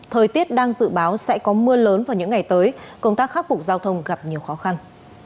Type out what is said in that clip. thời tiết đang dự báo sẽ có mưa lớn vào những ngày tới công tác khắc phục giao thông gặp nhiều khó khăn